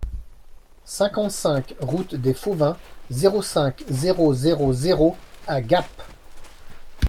cinquante-cinq route des Fauvins, zéro cinq, zéro zéro zéro à Gap